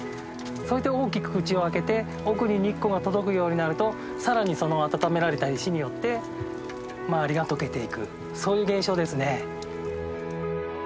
そして大きく口を開けて奥に日光が届くようになると更にその温められた石によって周りが解けていくそういう現象ですね。